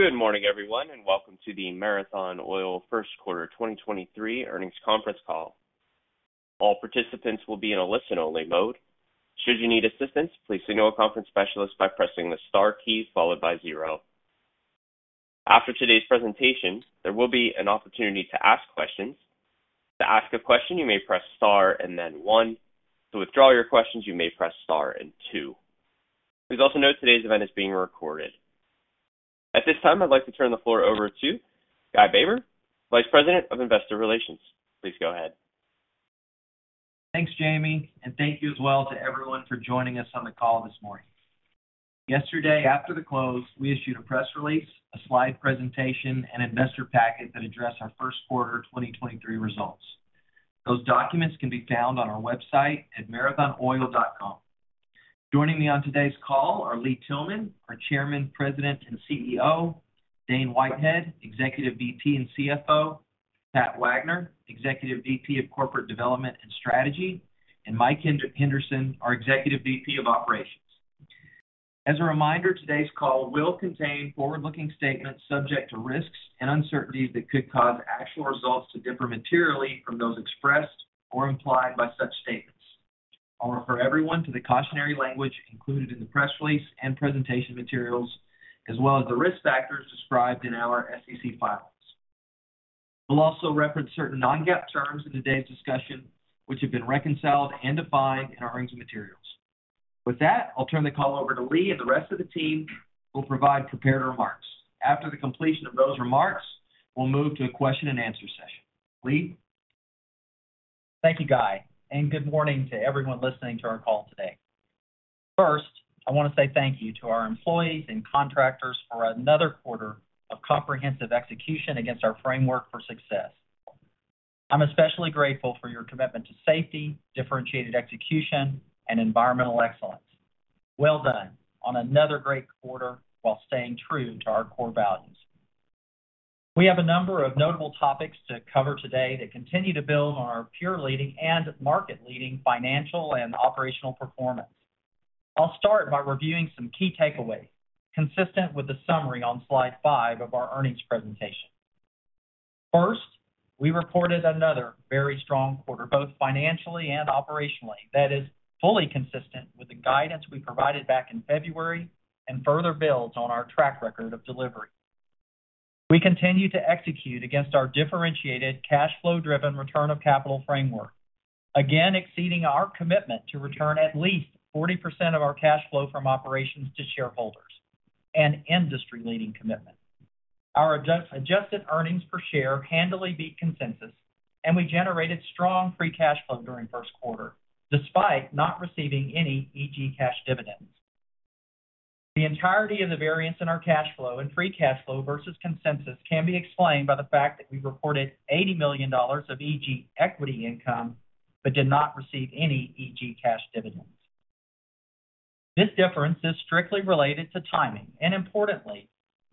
Good morning, everyone, and welcome to the Marathon Oil First Quarter 2023 Earnings Conference Call. All participants will be in a listen-only mode. Should you need assistance, please signal a conference specialist by pressing the star key followed by 0. After today's presentation, there will be an opportunity to ask questions. To ask a question, you may press star and then 1. To withdraw your questions, you may press star and 2. Please also note today's event is being recorded. At this time, I'd like to turn the floor over to Guy Baber, Vice President of Investor Relations. Please go ahead. Thanks, Jamie, and thank you as well to everyone for joining us on the call this morning. Yesterday, after the close, we issued a press release, a slide presentation, and investor packet that addressed our first quarter 2023 results. Those documents can be found on our website at marathonoil.com. Joining me on today's call are Lee Tillman, our Chairman, President, and CEO, Dane Whitehead, Executive VP and CFO, Pat Wagner, Executive VP of Corporate Development and Strategy, and Mike Henderson, our Executive VP of Operations. As a reminder, today's call will contain forward-looking statements subject to risks and uncertainties that could cause actual results to differ materially from those expressed or implied by such statements. I'll refer everyone to the cautionary language included in the press release and presentation materials as well as the risk factors described in our SEC filings. We'll also reference certain non-GAAP terms in today's discussion, which have been reconciled and defined in our earnings materials. With that, I'll turn the call over to Lee, and the rest of the team will provide prepared remarks. After the completion of those remarks, we'll move to a question-and-answer session. Lee? Thank you, Guy. Good morning to everyone listening to our call today. First, I wanna say thank you to our employees and contractors for another quarter of comprehensive execution against our framework for success. I'm especially grateful for your commitment to safety, differentiated execution, and environmental excellence. Well done on another great quarter while staying true to our core values. We have a number of notable topics to cover today that continue to build on our peer-leading and market-leading financial and operational performance. I'll start by reviewing some key takeaways consistent with the summary on slide 5 of our earnings presentation. First, we reported another very strong quarter, both financially and operationally, that is fully consistent with the guidance we provided back in February and further builds on our track record of delivery. We continue to execute against our differentiated cash flow-driven return of capital framework, again exceeding our commitment to return at least 40% of our cash flow from operations to shareholders, an industry-leading commitment. Our adjusted earnings per share handily beat consensus, and we generated strong free cash flow during first quarter despite not receiving any EG cash dividends. The entirety of the variance in our cash flow and free cash flow versus consensus can be explained by the fact that we reported $80 million of EG equity income but did not receive any EG cash dividends. This difference is strictly related to timing, and importantly,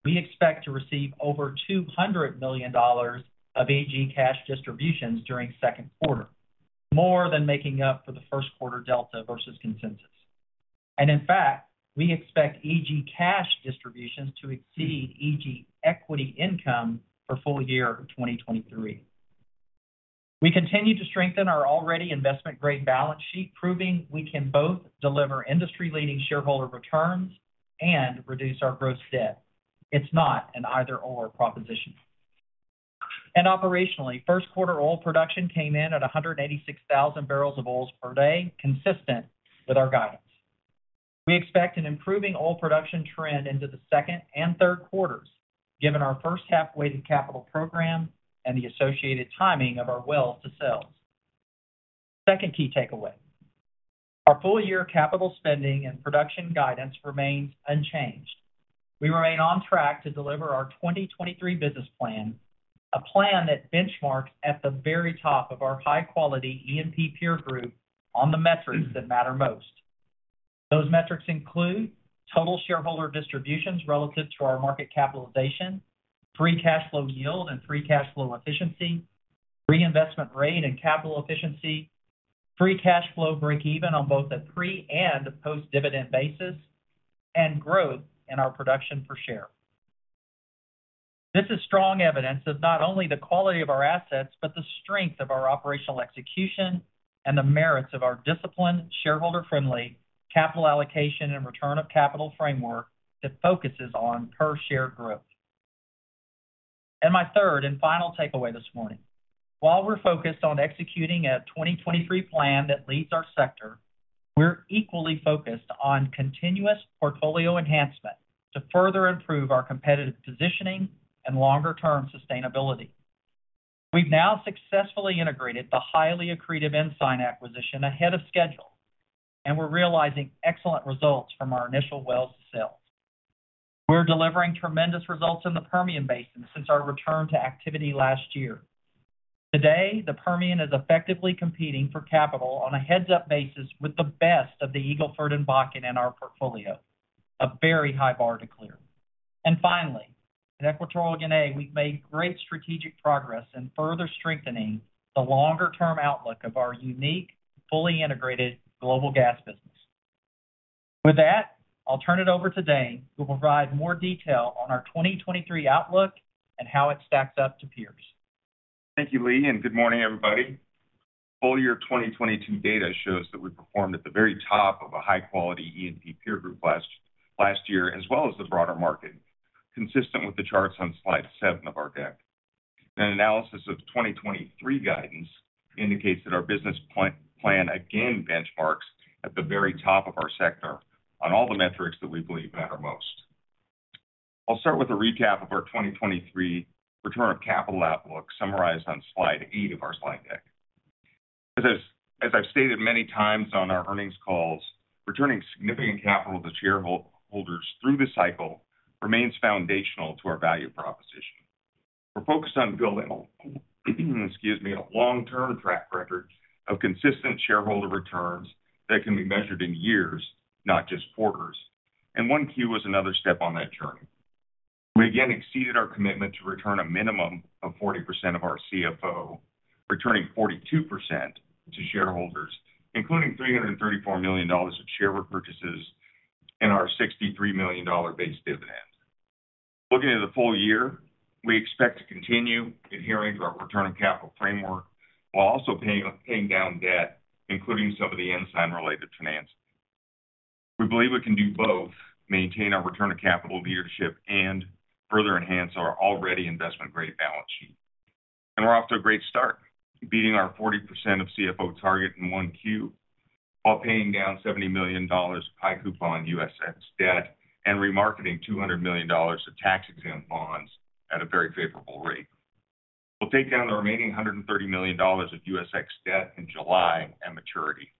we expect to receive over $200 million of EG cash distributions during second quarter, more than making up for the first quarter delta versus consensus. In fact, we expect EG cash distributions to exceed EG equity income for full year 2023. We continue to strengthen our already investment-grade balance sheet, proving we can both deliver industry-leading shareholder returns and reduce our gross debt. It's not an either/or proposition. Operationally, first quarter oil production came in at 186,000 barrels of oils per day, consistent with our guidance. We expect an improving oil production trend into the second and third quarters given our first half weighted capital program and the associated timing of our wells to sales. Second key takeaway, our full year capital spending and production guidance remains unchanged. We remain on track to deliver our 2023 business plan, a plan that benchmarks at the very top of our high-quality E&P peer group on the metrics that matter most. Those metrics include total shareholder distributions relative to our market capitalization, free cash flow yield and free cash flow efficiency, reinvestment rate and capital efficiency, free cash flow breakeven on both a pre- and post-dividend basis, and growth in our production per share. This is strong evidence of not only the quality of our assets, but the strength of our operational execution and the merits of our disciplined, shareholder-friendly capital allocation and return of capital framework that focuses on per-share growth. My third and final takeaway this morning. While we're focused on executing a 2023 plan that leads our sector, we're equally focused on continuous portfolio enhancement to further improve our competitive positioning and longer-term sustainability. We've now successfully integrated the highly accretive Ensign acquisition ahead of schedule, and we're realizing excellent results from our initial wells to sell. We're delivering tremendous results in the Permian Basin since our return to activity last year. Today, the Permian is effectively competing for capital on a heads-up basis with the best of the Eagle Ford and Bakken in our portfolio, a very high bar to clear. Finally, at Equatorial Guinea, we've made great strategic progress in further strengthening the longer-term outlook of our unique, fully integrated global gas business. With that, I'll turn it over to Dane who will provide more detail on our 2023 outlook and how it stacks up to peers. Thank you, Lee. Good morning, everybody. Full year 2022 data shows that we performed at the very top of a high-quality E&P peer group last year as well as the broader market, consistent with the charts on Slide 7 of our deck. Analysis of 2023 guidance indicates that our business plan again benchmarks at the very top of our sector on all the metrics that we believe matter most. I'll start with a recap of our 2023 return of capital outlook summarized on slide 8 of our slide deck. As I've stated many times on our earnings calls, returning significant capital to shareholders through the cycle remains foundational to our value proposition. We're focused on building, excuse me, a long-term track record of consistent shareholder returns that can be measured in years, not just quarters. 1Q was another step on that journey. We again exceeded our commitment to return a minimum of 40% of our CFO, returning 42% to shareholders, including $334 million of share repurchases in our $63 million base dividend. Looking at the full year, we expect to continue adhering to our return on capital framework while also paying down debt, including some of the Ensign-related financing. We believe we can do both, maintain our return of capital leadership and further enhance our already investment-grade balance sheet. We're off to a great start, beating our 40% of CFO target in 1Q while paying down $70 million high-coupon USX debt and remarketing $200 million of tax-exempt bonds at a very favorable rate. We'll take down the remaining $130 million of USX debt in July at maturity.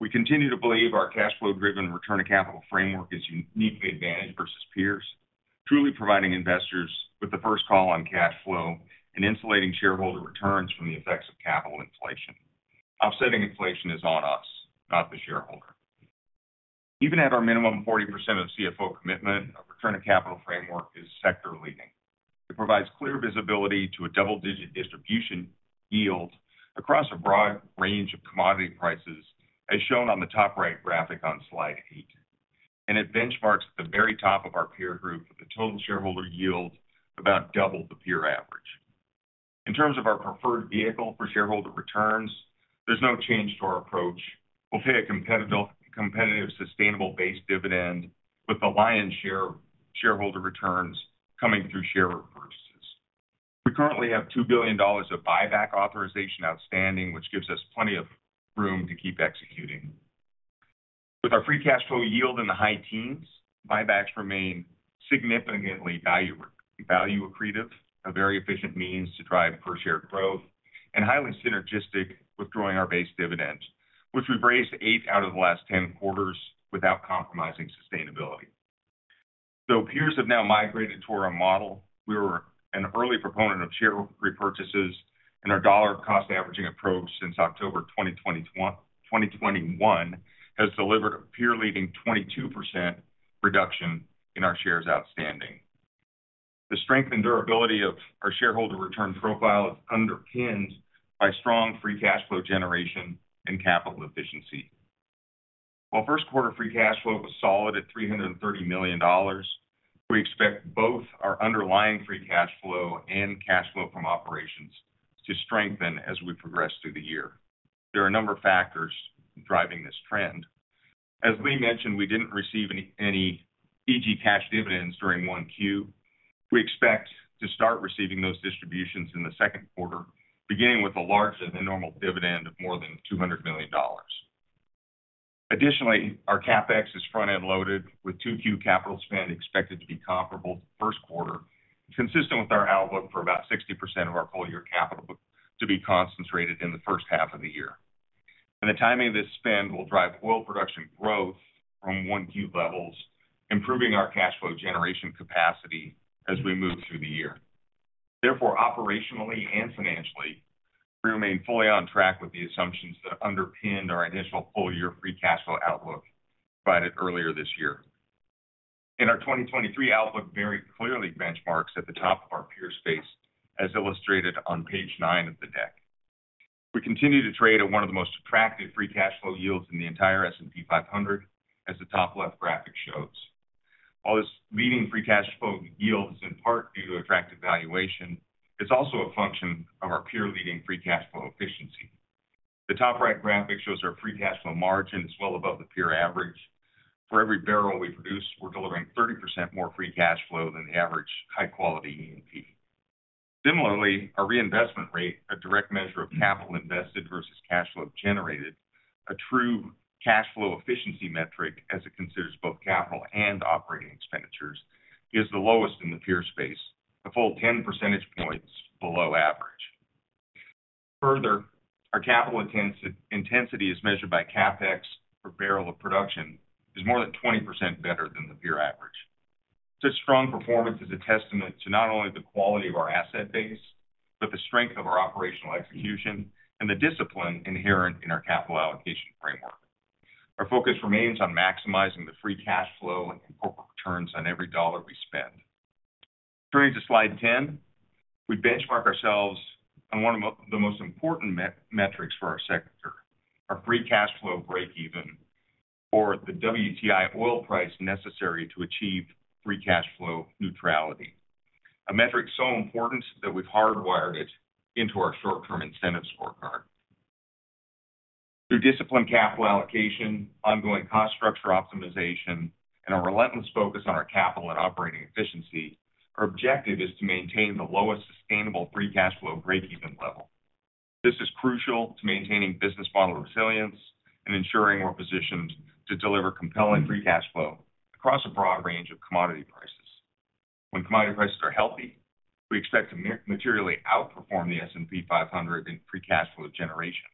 We continue to believe our cash flow-driven return to capital framework is uniquely advantaged versus peers, truly providing investors with the first call on cash flow and insulating shareholder returns from the effects of capital inflation. Offsetting inflation is on us, not the shareholder. Even at our minimum 40% of CFO commitment, our return of capital framework is sector-leading. It provides clear visibility to a double-digit distribution yield across a broad range of commodity prices, as shown on the top right graphic on slide 8. It benchmarks the very top of our peer group with a total shareholder yield, about double the peer average. In terms of our preferred vehicle for shareholder returns, there's no change to our approach. We'll pay a competitive, sustainable base dividend, with the lion's share shareholder returns coming through share repurchases. We currently have $2 billion of buyback authorization outstanding, which gives us plenty of room to keep executing. With our free cash flow yield in the high teens, buybacks remain significantly value accretive, a very efficient means to drive per share growth and highly synergistic with growing our base dividends, which we've raised 8 out of the last 10 quarters without compromising sustainability. Peers have now migrated to our model. We were an early proponent of share repurchases, and our dollar cost averaging approach since October 2021 has delivered a peer-leading 22% reduction in our shares outstanding. The strength and durability of our shareholder return profile is underpinned by strong free cash flow generation and capital efficiency. While first quarter free cash flow was solid at $330 million, we expect both our underlying free cash flow and cash flow from operations to strengthen as we progress through the year. There are a number of factors driving this trend. As Lee mentioned, we didn't receive any EG cash dividends during 1Q. We expect to start receiving those distributions in the second quarter, beginning with a larger-than-normal dividend of more than $200 million. Additionally, our CapEx is front-end loaded, with 2Q capital spend expected to be comparable to first quarter, consistent with our outlook for about 60% of our full-year capital to be concentrated in the first half of the year. The timing of this spend will drive oil production growth from 1Q levels, improving our cash flow generation capacity as we move through the year. Therefore, operationally and financially, we remain fully on track with the assumptions that underpinned our initial full-year free cash flow outlook provided earlier this year. Our 2023 outlook very clearly benchmarks at the top of our peer space, as illustrated on page 9 of the deck. We continue to trade at one of the most attractive free cash flow yields in the entire S&P 500, as the top left graphic shows. While this leading free cash flow yield is in part due to attractive valuation, it's also a function of our peer leading free cash flow efficiency. The top right graphic shows our free cash flow margin is well above the peer average. For every barrel we produce, we're delivering 30% more free cash flow than the average high-quality E&P. Similarly, our reinvestment rate, a direct measure of capital invested versus cash flow generated, a true cash flow efficiency metric as it considers both capital and operating expenditures, is the lowest in the peer space, a full 10 percentage points below average. Our capital intensity is measured by CapEx per barrel of production is more than 20% better than the peer average. Such strong performance is a testament to not only the quality of our asset base, but the strength of our operational execution and the discipline inherent in our capital allocation framework. Our focus remains on maximizing the free cash flow and corporate returns on every dollar we spend. Turning to slide 10. We benchmark ourselves on one of the most important metrics for our sector, our free cash flow breakeven, or the WTI oil price necessary to achieve free cash flow neutrality. A metric so important that we've hardwired it into our short-term incentive scorecard. Through disciplined capital allocation, ongoing cost structure optimization, and a relentless focus on our capital and operating efficiency, our objective is to maintain the lowest sustainable free cash flow breakeven level. This is crucial to maintaining business model resilience and ensuring we're positioned to deliver compelling free cash flow across a broad range of commodity prices. When commodity prices are healthy, we expect to materially outperform the S&P 500 in free cash flow generation.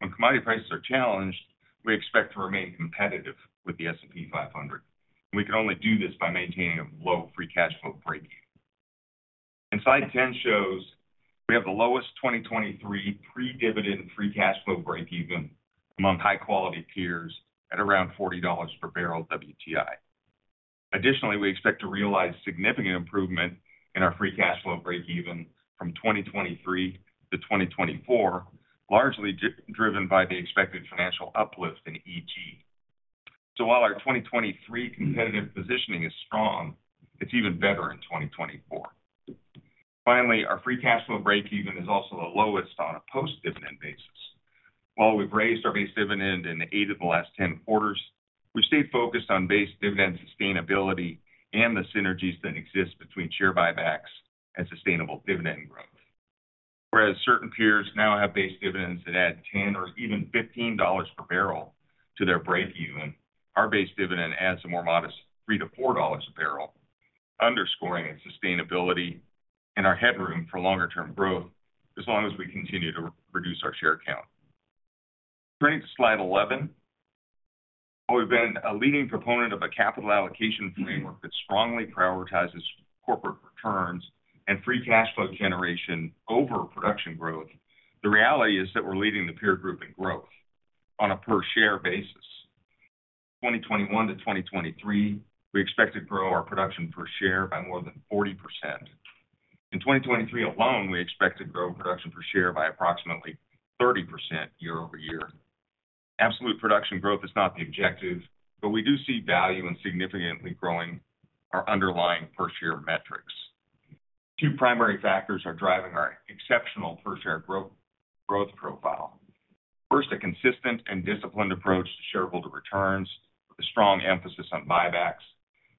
When commodity prices are challenged, we expect to remain competitive with the S&P 500, and we can only do this by maintaining a low free cash flow breakeven. Slide 10 shows we have the lowest 2023 pre-dividend free cash flow breakeven among high-quality peers at around $40 per barrel WTI. Additionally, we expect to realize significant improvement in our free cash flow breakeven from 2023 to 2024, largely driven by the expected financial uplift in EG. While our 2023 competitive positioning is strong, it's even better in 2024. Finally, our free cash flow breakeven is also the lowest on a post-dividend basis. While we've raised our base dividend in 8 of the last 10 quarters, we've stayed focused on base dividend sustainability and the synergies that exist between share buybacks and sustainable dividend growth. Whereas certain peers now have base dividends that add $10 or even $15 per barrel to their breakeven, our base dividend adds a more modest $3-$4 a barrel, underscoring its sustainability and our headroom for longer term growth as long as we continue to reduce our share count. Turning to slide 11. While we've been a leading proponent of a capital allocation framework that strongly prioritizes corporate returns and free cash flow generation over production growth, the reality is that we're leading the peer group in growth on a per share basis. 2021 to 2023, we expect to grow our production per share by more than 40%. In 2023 alone, we expect to grow production per share by approximately 30% year-over-year. Absolute production growth is not the objective. We do see value in significantly growing our underlying per share metrics. Two primary factors are driving our exceptional per share growth profile. First, a consistent and disciplined approach to shareholder returns with a strong emphasis on buybacks.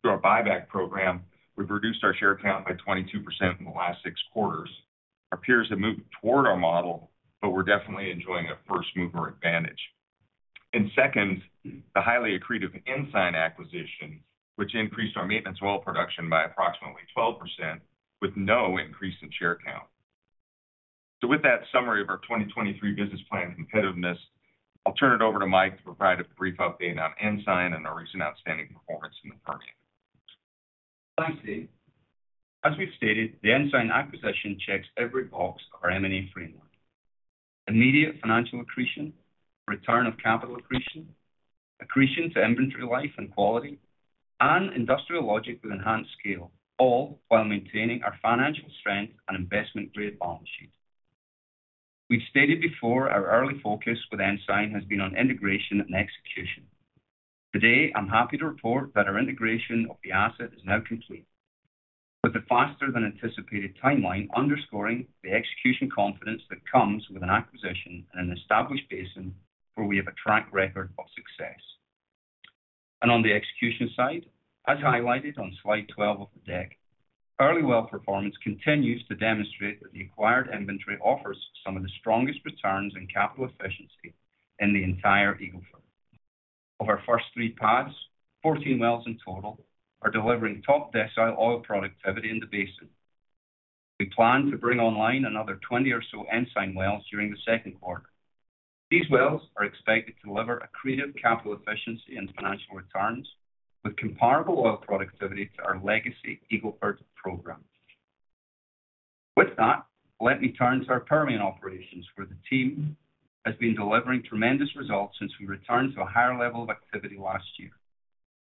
Through our buyback program, we've reduced our share count by 22% in the last six quarters. Our peers have moved toward our model. We're definitely enjoying a first-mover advantage. Second, the highly accretive Ensign acquisition, which increased our maintenance oil production by approximately 12% with no increase in share count. With that summary of our 2023 business plan competitiveness, I'll turn it over to Mike to provide a brief update on Ensign and our recent outstanding performance in the Permian. Thanks, Dave. As we've stated, the Ensign acquisition checks every box of our M&A framework. Immediate financial accretion, return of capital accretion to inventory life and quality, industrial logic with enhanced scale, all while maintaining our financial strength and investment-grade balance sheet. We've stated before our early focus with Ensign has been on integration and execution. Today, I'm happy to report that our integration of the asset is now complete. With a faster than anticipated timeline underscoring the execution confidence that comes with an acquisition in an established basin where we have a track record of success. On the execution side, as highlighted on slide 12 of the deck, early well performance continues to demonstrate that the acquired inventory offers some of the strongest returns in capital efficiency in the entire Eagle Ford. Of our first three pads, 14 wells in total are delivering top-decile oil productivity in the basin. We plan to bring online another 20 or so Ensign wells during the second quarter. These wells are expected to deliver accretive capital efficiency into financial returns with comparable oil productivity to our legacy Eagle Ford programs. With that, let me turn to our Permian operations, where the team has been delivering tremendous results since we returned to a higher level of activity last year.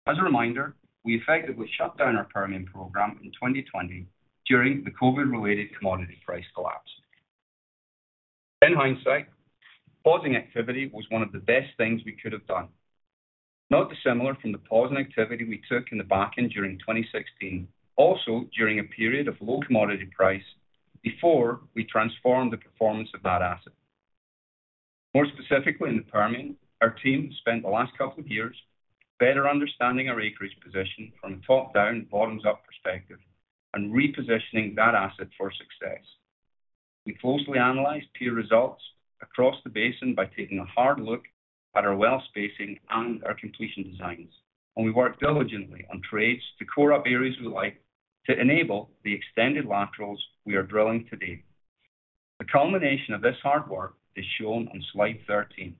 As a reminder, we effectively shut down our Permian program in 2020 during the COVID-related commodity price collapse. In hindsight, pausing activity was one of the best things we could have done. Not dissimilar from the pause in activity we took in the back end during 2016, also during a period of low commodity price before we transformed the performance of that asset. More specifically in the Permian, our team spent the last couple of years better understanding our acreage position from a top-down, bottoms-up perspective and repositioning that asset for success. We closely analyzed peer results across the basin by taking a hard look at our well spacing and our completion designs. We worked diligently on trades to core up areas we like to enable the extended laterals we are drilling today. The culmination of this hard work is shown on slide 13.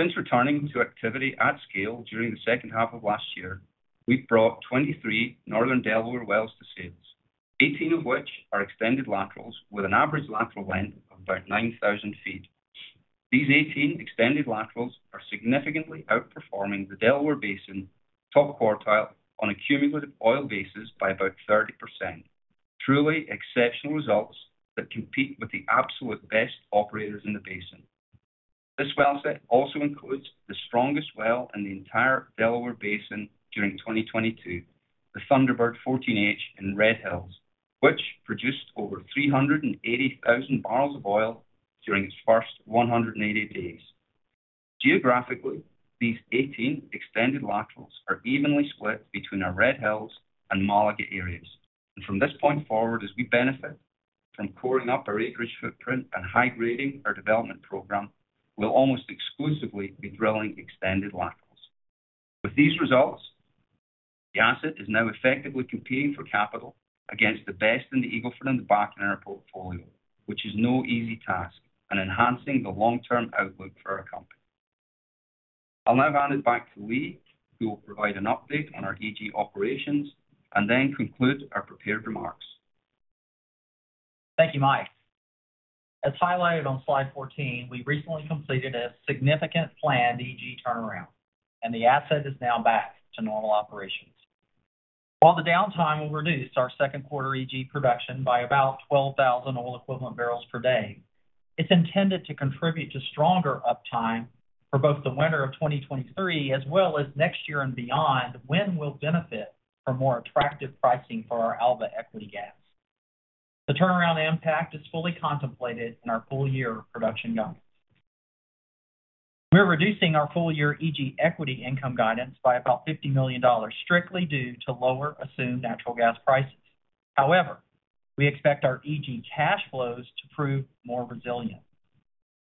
Since returning to activity at scale during the second half of last year, we've brought 23 Northern Delaware wells to scales, 18 of which are extended laterals with an average lateral length of about 9,000 feet. These 18 extended laterals are significantly outperforming the Delaware Basin top quartile on a cumulative oil basis by about 30%. Truly exceptional results that compete with the absolute best operators in the basin. This well set also includes the strongest well in the entire Delaware Basin during 2022, the Thunderbird 14H in Red Hills, which produced over 380,000 barrels of oil during its first 180 days. Geographically, these 18 extended laterals are evenly split between our Red Hills and Malaga areas. From this point forward, as we benefit from pouring up our acreage footprint and high-grading our development program, we'll almost exclusively be drilling extended laterals. With these results, the asset is now effectively competing for capital against the best in the Eagle Ford and the Bakken in our portfolio, which is no easy task, and enhancing the long-term outlook for our company. I'll now hand it back to Lee, who will provide an update on our EG operations and then conclude our prepared remarks. Thank you, Mike. As highlighted on slide 14, we recently completed a significant planned EG turnaround, and the asset is now back to normal operations. While the downtime will reduce our second quarter EG production by about 12,000 oil equivalent barrels per day, it's intended to contribute to stronger uptime for both the winter of 2023 as well as next year and beyond, when we'll benefit from more attractive pricing for our Alba equity gas. The turnaround impact is fully contemplated in our full-year production guidance. We're reducing our full-year EG equity income guidance by about $50 million, strictly due to lower assumed natural gas prices. However, we expect our EG cash flows to prove more resilient.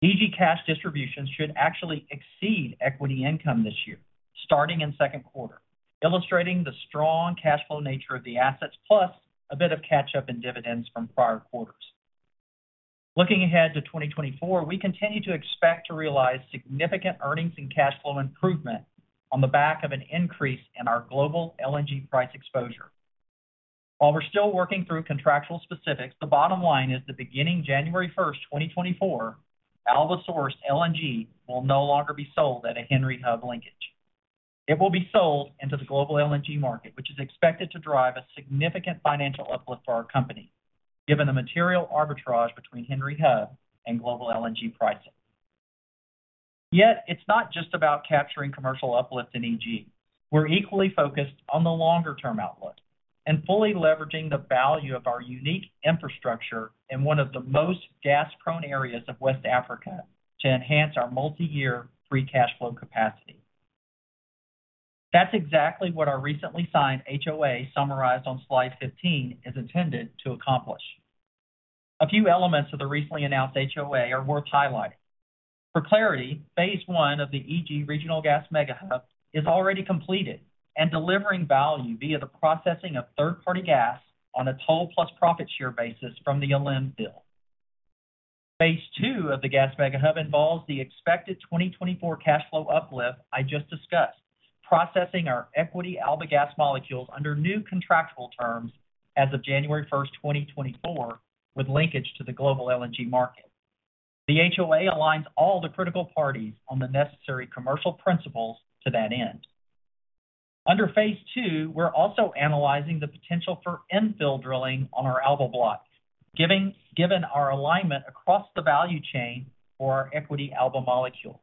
EG cash distributions should actually exceed equity income this year, starting in second quarter, illustrating the strong cash flow nature of the assets, plus a bit of catch up in dividends from prior quarters. Looking ahead to 2024, we continue to expect to realize significant earnings and cash flow improvement on the back of an increase in our global LNG price exposure. While we're still working through contractual specifics, the bottom line is that beginning January 1st, 2024, Alba-sourced LNG will no longer be sold at a Henry Hub linkage. It will be sold into the global LNG market, which is expected to drive a significant financial uplift for our company, given the material arbitrage between Henry Hub and global LNG pricing. It's not just about capturing commercial uplift in EG. We're equally focused on the longer-term outlook and fully leveraging the value of our unique infrastructure in one of the most gas-prone areas of West Africa to enhance our multiyear free cash flow capacity. That's exactly what our recently signed HOA summarized on slide 15 is intended to accomplish. A few elements of the recently announced HOA are worth highlighting. For clarity, Phase I of the EG regional gas mega hub is already completed and delivering value via the processing of third-party gas on a toll-plus profit share basis from the Alen field. Phase II of the gas mega hub involves the expected 2024 cash flow uplift I just discussed, processing our equity Alba gas molecules under new contractual terms as of January first, 2024, with linkage to the global LNG market. The HOA aligns all the critical parties on the necessary commercial principles to that end. Under Phase II, we're also analyzing the potential for infill drilling on our Alba block. Given our alignment across the value chain for our equity Alba molecules.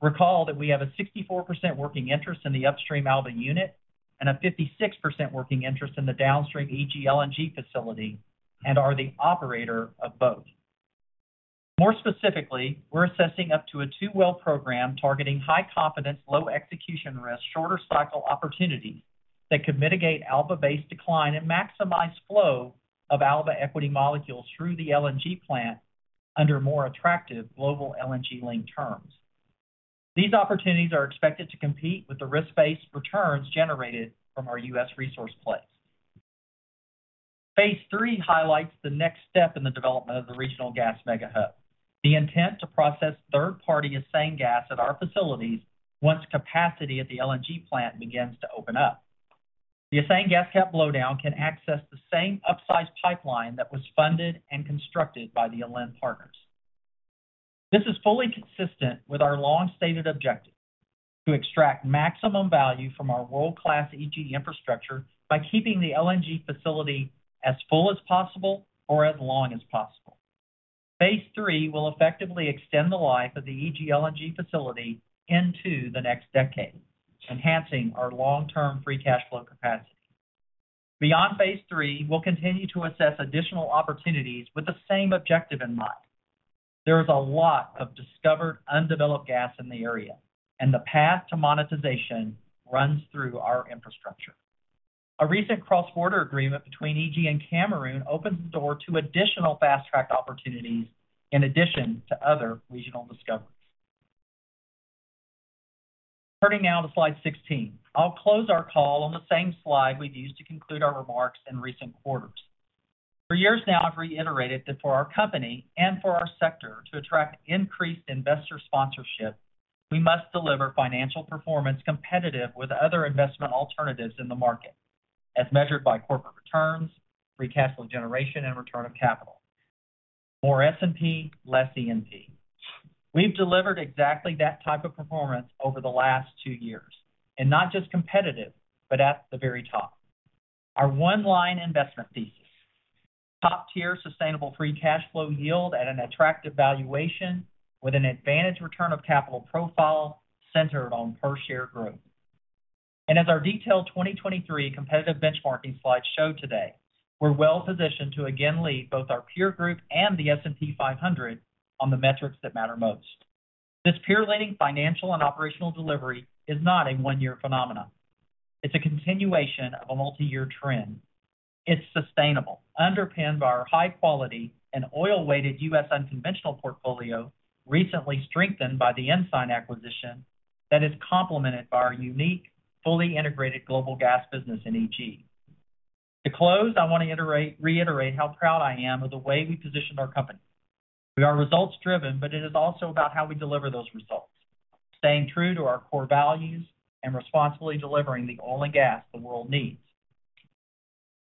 Recall that we have a 64% working interest in the upstream Alba unit and a 56% working interest in the downstream EG LNG facility and are the operator of both. More specifically, we're assessing up to a two-well program targeting high-confidence, low-execution risk, shorter cycle opportunities that could mitigate Alba-based decline and maximize flow of Alba equity molecules through the LNG plant under more attractive global LNG-linked terms. These opportunities are expected to compete with the risk-based returns generated from our U.S. resource plays. Phase III highlights the next step in the development of the regional gas mega hub, the intent to process third-party Aseng gas at our facilities once capacity at the LNG plant begins to open up. The Aseng gas cap blowdown can access the same upsized pipeline that was funded and constructed by the Alen partners. This is fully consistent with our long-stated objective: to extract maximum value from our world-class EG infrastructure by keeping the LNG facility as full as possible for as long as possible. Phase III will effectively extend the life of the EG LNG facility into the next decade, enhancing our long-term free cash flow capacity. Beyond Phase III, we'll continue to assess additional opportunities with the same objective in mind. There is a lot of discovered undeveloped gas in the area, and the path to monetization runs through our infrastructure. A recent cross-border agreement between EG and Cameroon opens the door to additional fast-track opportunities in addition to other regional discoveries. Turning now to slide 16. I'll close our call on the same slide we've used to conclude our remarks in recent quarters. For years now, I've reiterated that for our company and for our sector to attract increased investor sponsorship, we must deliver financial performance competitive with other investment alternatives in the market. As measured by corporate returns, free cash flow generation, and return of capital. More S&P, less E&P. We've delivered exactly that type of performance over the last two years, not just competitive, but at the very top. Our one-line investment thesis. Top-tier sustainable free cash flow yield at an attractive valuation with an advantage return of capital profile centered on per share growth. As our detailed 2023 competitive benchmarking slides show today, we're well-positioned to again lead both our peer group and the S&P 500 on the metrics that matter most. This peer-leading financial and operational delivery is not a one-year phenomenon. It's a continuation of a multi-year trend. It's sustainable, underpinned by our high quality and oil-weighted U.S. unconventional portfolio, recently strengthened by the Ensign acquisition that is complemented by our unique, fully integrated global gas business in EG. To close, I wanna reiterate how proud I am of the way we positioned our company. We are results driven, but it is also about how we deliver those results, staying true to our core values and responsibly delivering the oil and gas the world needs.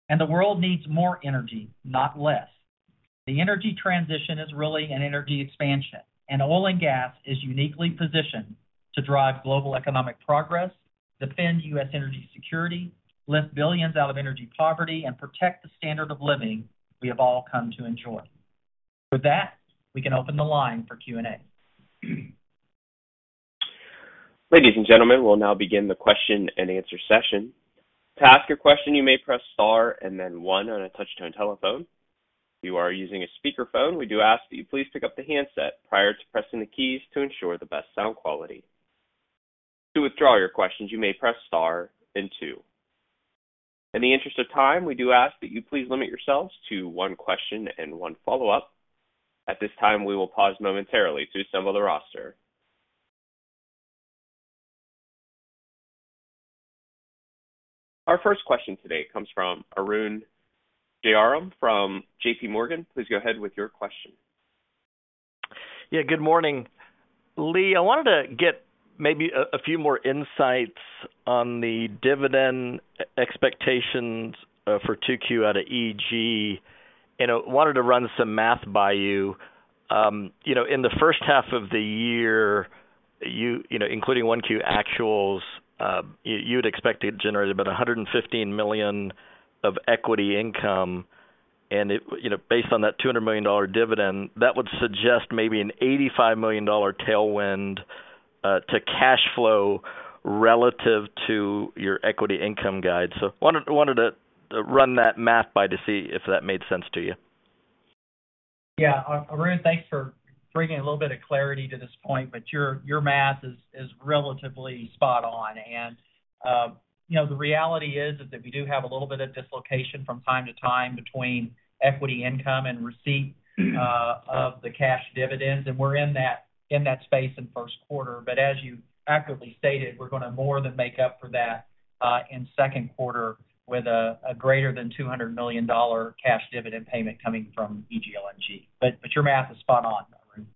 The world needs more energy, not less. The energy transition is really an energy expansion, and oil and gas is uniquely positioned to drive global economic progress, defend U.S. energy security, lift billions out of energy poverty, and protect the standard of living we have all come to enjoy. With that, we can open the line for Q&A. Ladies and gentlemen, we'll now begin the question-and-answer session. To ask your question, you may press star and then 1 on a touch-tone telephone. If you are using a speakerphone, we do ask that you please pick up the handset prior to pressing the keys to ensure the best sound quality. To withdraw your questions, you may press star and 2. In the interest of time, we do ask that you please limit yourselves to 1 question and 1 follow-up. At this time, we will pause momentarily to assemble the roster. Our first question today comes from Arun Jayaram from J.P. Morgan. Please go ahead with your question. Yeah, good morning. Lee, I wanted to get maybe a few more insights on the dividend expectations for 2Q out of EG. I wanted to run some math by you. You know, in the first half of the year, you know, including 1Q actuals, you'd expect to generate about $115 million of equity income. You know, based on that $200 million dividend, that would suggest maybe an $85 million tailwind to cash flow relative to your equity income guide. Wanted to run that math by to see if that made sense to you? Yeah. Arun, thanks for bringing a little bit of clarity to this point, your math is relatively spot on. You know, the reality is that we do have a little bit of dislocation from time to time between equity income and receipt of the cash dividends, and we're in that space in first quarter. As you accurately stated, we're gonna more than make up for that in second quarter with a greater than $200 million cash dividend payment coming from EG LNG. Your math is spot on, Arun.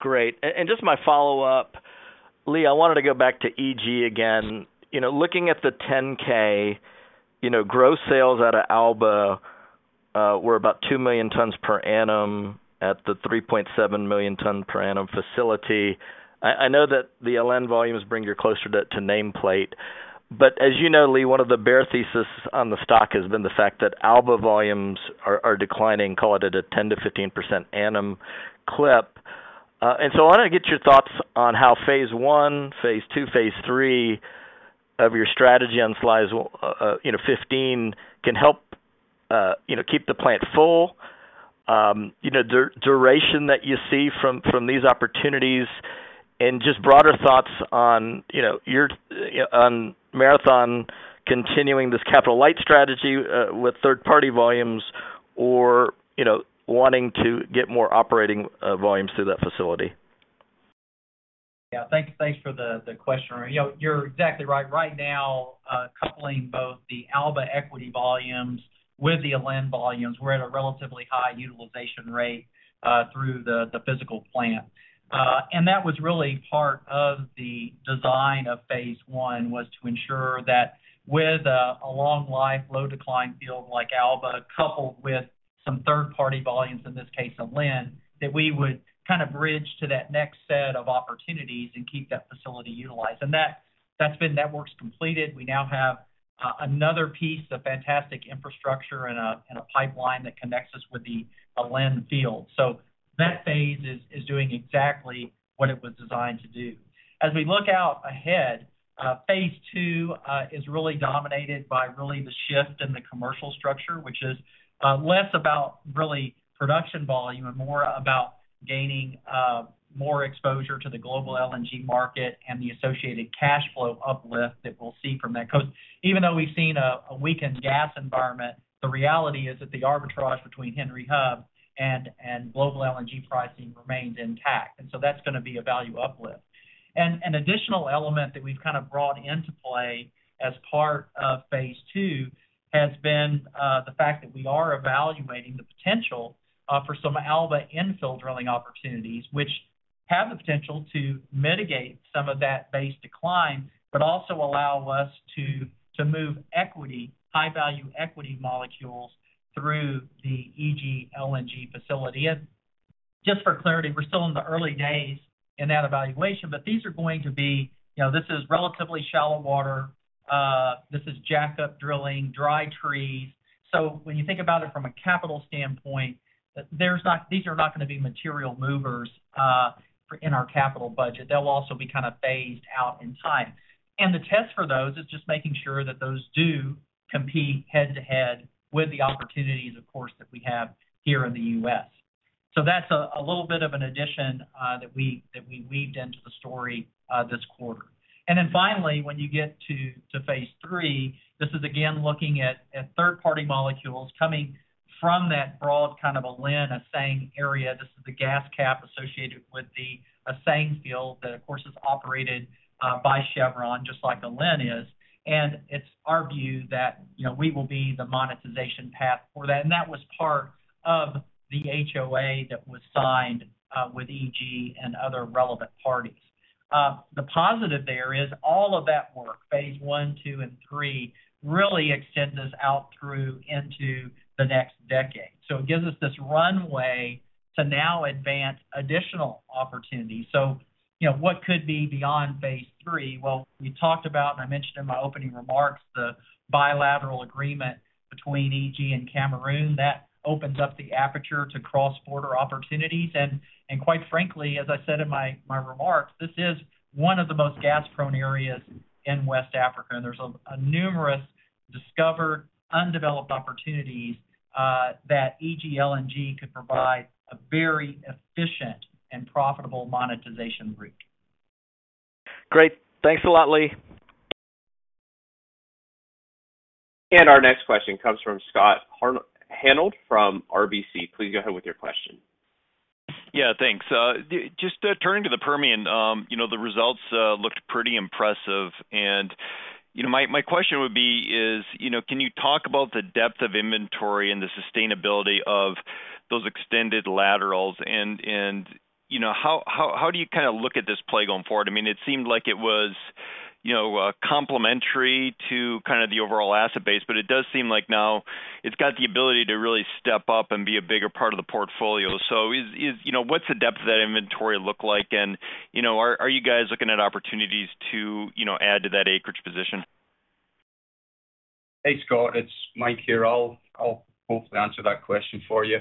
Great. Just my follow-up. Lee, I wanted to go back to EG again. You know, looking at the 10-K, you know, gross sales out of Alba were about 2 million tons per annum at the 3.7 million ton per annum facility. I know that the LNG volumes bring you closer to nameplate. As you know, Lee, one of the bear thesis on the stock has been the fact that Alba volumes are declining, call it at a 10%-15% annum clip. I wanna get your thoughts on how Phase I, Phase II, Phase III of your strategy on slides, you know, 15 can help, you know, keep the plant full. you know, duration that you see from these opportunities and just broader thoughts on, you know, your, on Marathon continuing this capital light strategy, with third-party volumes or, you know, wanting to get more operating, volumes through that facility. Yeah. Thanks for the question. You know, you're exactly right. Right now, coupling both the Alba equity volumes with the Alen volumes, we're at a relatively high utilization rate through the physical plant. That was really part of the design of Phase 1, was to ensure that with a long life, low decline field like Alba, coupled with some third-party volumes, in this case, Alen, that we would kind of bridge to that next set of opportunities and keep that facility utilized. That work's completed. We now have another piece of fantastic infrastructure and a pipeline that connects us with the Alen field. That phase is doing exactly what it was designed to do. As we look out ahead, Phase II is really dominated by really the shift in the commercial structure, which is less about really production volume and more about gaining more exposure to the global LNG market and the associated cash flow uplift that we'll see from that. Because even though we've seen a weakened gas environment, the reality is that the arbitrage between Henry Hub and global LNG pricing remains intact. That's gonna be a value uplift. An additional element that we've kind of brought into play as part of Phase II has been the fact that we are evaluating the potential for some Alba infill drilling opportunities, which have the potential to mitigate some of that base decline, but also allow us to move equity, high-value equity molecules through the EG LNG facility. Just for clarity, we're still in the early days in that evaluation. These are going to be, you know, this is relatively shallow water. This is jacked up drilling, dry trees. When you think about it from a capital standpoint, there's not these are not gonna be material movers, in our capital budget. They'll also be kind of phased out in time. The test for those is just making sure that those do compete head-to-head with the opportunities, of course, that we have here in the U.S. That's a little bit of an addition, that we weaved into the story, this quarter. Finally, when you get to Phase III, this is again, looking at third-party molecules coming from that broad kind of Alen, Aseng area. This is the gas cap associated with the Aseng field that of course is operated by Chevron, just like Alen is. It's our view that, you know, we will be the monetization path for that. That was part of the HOA that was signed with EG and other relevant parties. The positive there is all of that work, Phase I, II, and III, really extends us out through into the next decade. It gives us this runway to now advance additional opportunities. You know, what could be beyond Phase III? Well, we talked about, and I mentioned in my opening remarks, the bilateral agreement between EG and Cameroon, that opens up the aperture to cross-border opportunities. Quite frankly, as I said in my remarks, this is one of the most gas-prone areas in West Africa. There's a numerous discovered, undeveloped opportunities that EG LNG could provide a very efficient and profitable monetization route. Great. Thanks a lot, Lee. Our next question comes from Scott Hanold from RBC. Please go ahead with your question. Yeah, thanks. Just turning to the Permian, you know, the results looked pretty impressive. You know, my question would be is, you know, can you talk about the depth of inventory and the sustainability of those extended laterals? You know, how do you kinda look at this play going forward? I mean, it seemed like it was, you know, complementary to kind of the overall asset base. It does seem like now it's got the ability to really step up and be a bigger part of the portfolio. Is, you know, what's the depth of that inventory look like? You know, are you guys looking at opportunities to, you know, add to that acreage position? Hey, Scott. It's Mike here. I'll hopefully answer that question for you.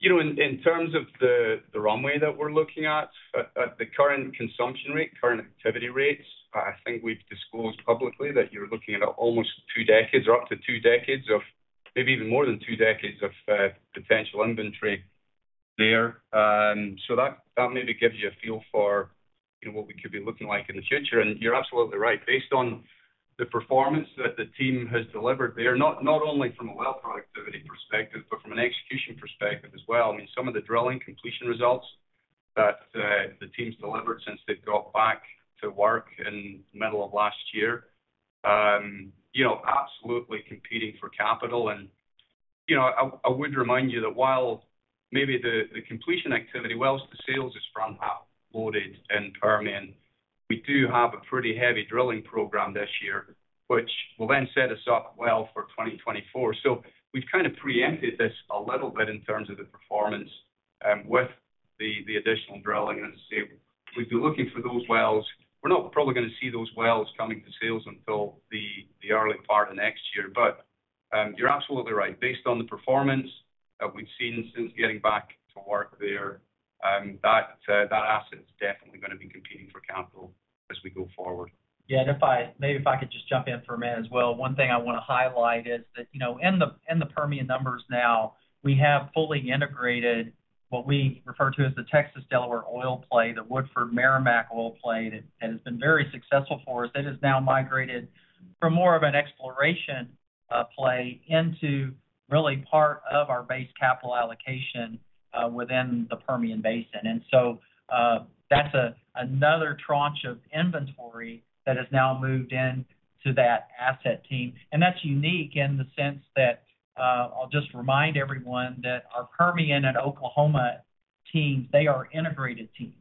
You know, in terms of the runway that we're looking at the current consumption rate, current activity rates, I think we've disclosed publicly that you're looking at almost 2 decades or up to 2 decades of, maybe even more than 2 decades of potential inventory there. That maybe gives you a feel for, you know, what we could be looking like in the future. You're absolutely right. Based on the performance that the team has delivered there, not only from a well productivity perspective, but from an execution perspective as well, I mean, some of the drilling completion results that the team's delivered since they've got back to work in the middle of last year, you know, absolutely competing for capital. You know, I would remind you that while maybe the completion activity wells to sales is front half loaded in Permian, we do have a pretty heavy drilling program this year, which will then set us up well for 2024. We've kind of preempted this a little bit in terms of the performance with the additional drilling. As I say, we'd be looking for those wells. We're not probably gonna see those wells coming to sales until the early part of next year. You're absolutely right. Based on the performance that we've seen since getting back to work there, that asset is definitely gonna be competing for capital as we go forward. Yeah. Maybe if I could just jump in for a minute as well. One thing I wanna highlight is that, you know, in the, in the Permian numbers now, we have fully integrated what we refer to as the Texas-Delaware oil play, the Woodford Meramec oil play that has been very successful for us, that has now migrated from more of an exploration play into really part of our base capital allocation within the Permian Basin. So, that's another tranche of inventory that has now moved in to that asset team. That's unique in the sense that, I'll just remind everyone that our Permian and Oklahoma teams, they are integrated teams.